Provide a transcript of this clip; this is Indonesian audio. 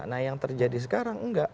nah yang terjadi sekarang enggak